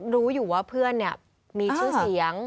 รู้อยู่ว่าเพื่อนมีชื่อเสียง